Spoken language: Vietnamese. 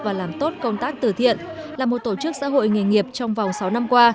và làm tốt công tác từ thiện là một tổ chức xã hội nghề nghiệp trong vòng sáu năm qua